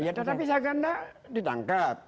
ya tetapi saya kandang ditangkap